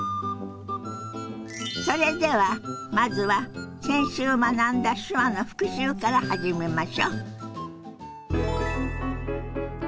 それではまずは先週学んだ手話の復習から始めましょ。